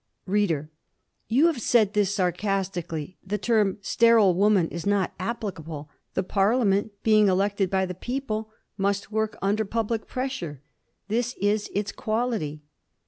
READER: You have said this sarcastically. The term "sterile woman" is not applicable. The Parliament, being elected by the people, must work under public pressure. This is its quality.